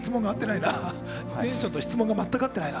テンションと質問が全く合ってないな。